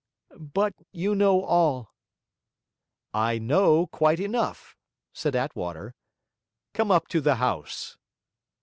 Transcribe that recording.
.. But you know all.' 'I know quite enough,' said Attwater. 'Come up to the house.'